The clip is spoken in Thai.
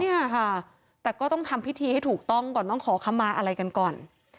เนี่ยค่ะแต่ก็ต้องทำพิธีให้ถูกต้องก่อนต้องขอคำมาอะไรกันก่อน